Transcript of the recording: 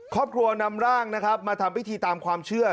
ครอบครัวนำร่างนะครับมาทำพิธีตามความเชื่อ